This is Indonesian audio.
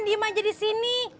diam aja di sini